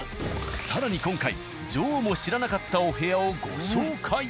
更に今回女王も知らなかったお部屋をご紹介。